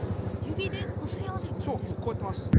指でこすり合わせる感じですか？